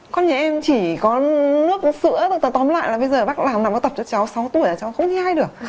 con nhà em chỉ có nước sữa tóm lại là bác làm tập cho cháu sáu tuổi là cháu không nhai được